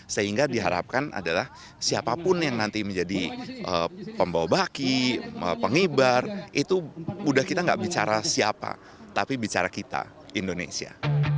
sehingga diharapkan adalah siapapun yang nanti menjadi pembawa baki pengibar itu udah kita gak bicara siapa tapi bicara kita indonesia